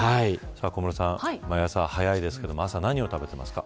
小室さん、毎朝早いですけど朝、何を食べてますか。